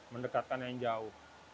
mendekatkan yang jauh